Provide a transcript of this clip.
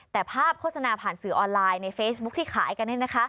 แต่ภาพโฆษณาผ่านสื่อออนไลน์ในเฟซบุ๊คที่ขายกัน